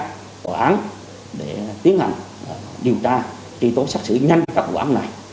đưa ra hội án để tiến hành điều tra tri tố xác xử nhanh các hội án này